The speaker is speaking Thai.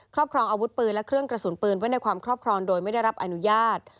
ครอบครองอาวุธปืนและเครื่องกระสุนปืนไว้ในความครอบครองโดยไม่ได้รับอนุญาต